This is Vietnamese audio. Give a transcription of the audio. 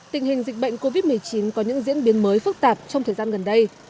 tình hình dịch bệnh covid một mươi chín có những diễn biến mới phức tạp trong thời gian gần đây